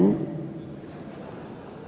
betul atau tidak